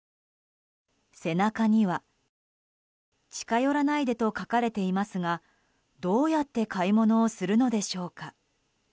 背中には「近寄らないで」と書かれていますがどうやって買い物をするのでしょうか。